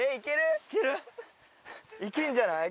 いけんじゃない？